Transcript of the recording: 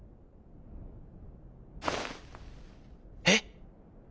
「えっ！？」。